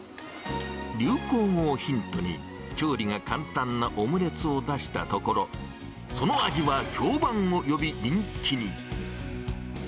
流行語をヒントに、調理が簡単なオムレツを出したところ、その味は評判を呼び、人気に。